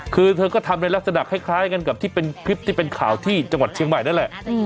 คือเธอก็ทำในลักษณะคล้ายกันกับที่เป็นคลิปที่เป็นข่าวที่จังหวัดเชียงใหม่นั่นแหละ